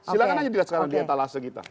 silahkan aja sekarang di etalase kita